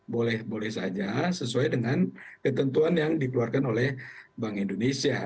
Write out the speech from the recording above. boleh boleh saja sesuai dengan ketentuan yang dikeluarkan oleh bank indonesia